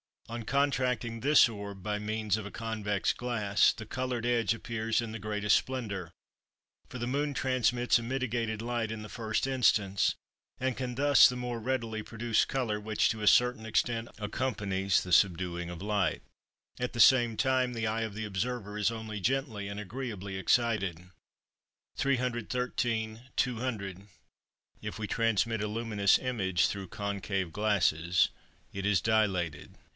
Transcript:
On contracting this orb by means of a convex glass, the coloured edge appears in the greatest splendour; for the moon transmits a mitigated light in the first instance, and can thus the more readily produce colour which to a certain extent accompanies the subduing of light: at the same time the eye of the observer is only gently and agreeably excited. 313 (200). If we transmit a luminous image through concave glasses, it is dilated.